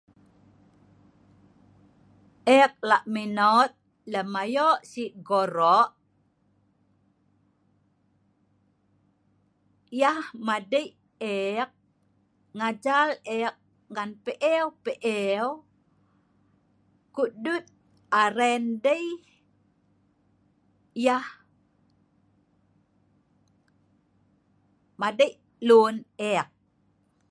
Eek la’ menot lem ayoq si’ goroq yeh madei eek ngajar eek ngan peeu-peeu ko’ duet areen dei yeh madei luen eek